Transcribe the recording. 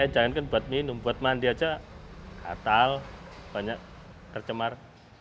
jangan kan buat minum buat mandi saja katal banyak tercemar